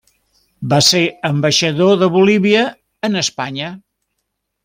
Va ser ambaixador de Bolívia en Espanya.